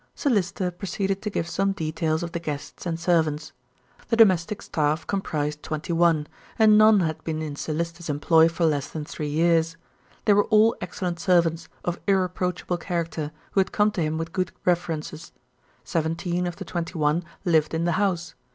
Sir Lyster proceeded to give some details of the guests and servants. The domestic staff comprised twenty one, and none had been in Sir Lyster's employ for less than three years. They were all excellent servants, of irreproachable character, who had come to him with good references. Seventeen of the twenty one lived in the house.